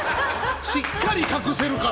しっかり隠せるから。